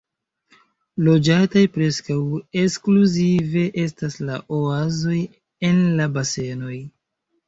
Loĝataj preskaŭ ekskluzive estas la oazoj en la basenoj.